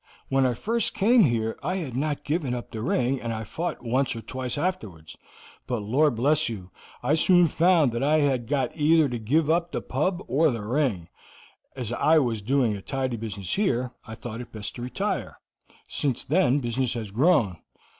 When I first came here I had not given up the ring, and I fought once or twice afterwards. But, Lor' bless you, I soon found that I had got either to give up the pub or the ring, and as I was doing a tidy business here, I thought it best to retire; since then business has grown.